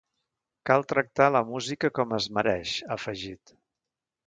Cal tractar a la música com es mereix, ha afegit.